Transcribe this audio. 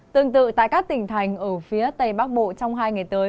tương tự tại các tỉnh thành ở phía tây bắc bộ trong hai ngày tới